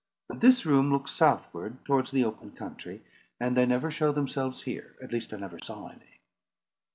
But this room looks southward towards the open country, and they never show themselves here; at least I never saw any."